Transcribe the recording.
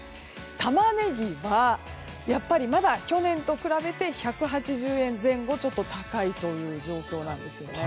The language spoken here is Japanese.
タマネギはやっぱり去年と比べて１８０円前後高いという状況なんですよね。